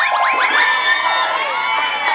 เรลกกดแล้ว